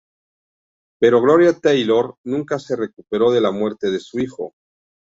Pero Gloria Taylor nunca se recuperó de la muerte de su hijo.